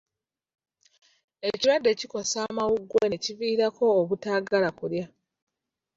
Ekirwadde kikosa amawuggwe ne kiviirako obutaagala kulya.